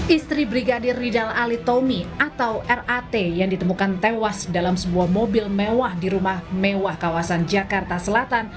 istri brigadir ridal alitomi atau rat yang ditemukan tewas dalam sebuah mobil mewah di rumah mewah kawasan jakarta selatan